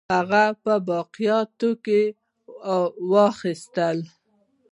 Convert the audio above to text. هغه باقیات واخیستل.